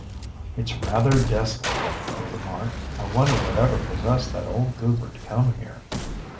"It's rather desolate," he remarked. "I wonder what ever possessed that old Goupert to come here?"